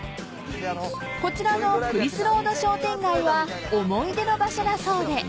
［こちらのクリスロード商店街は思い出の場所だそうで］